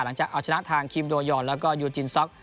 จะเอาชนะทางคิมโดยอนแล้วก็ยูจินซ็อก